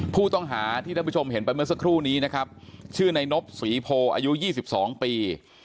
ผู้ต้องหาที่ท่านผู้ชมเห็นไปเมื่อสักครู่นี้นะครับชื่อในนบศรีโพอายุ๒๒ปี